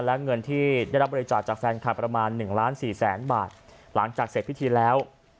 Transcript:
และเงินที่ได้รับบริจาคจากแฟนคลับประมาณหนึ่งล้านสี่แสนบาทหลังจากเสร็จพิธีแล้ว